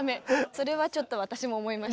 それはちょっと私も思います。